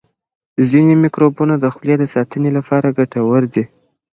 ځینې میکروبونه د خولې د ساتنې لپاره ګټور دي.